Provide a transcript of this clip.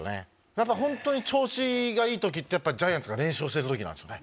やっぱホントに調子がいい時ってジャイアンツが連勝してる時なんですよね。